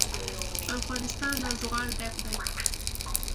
افغانستان له زغال ډک دی.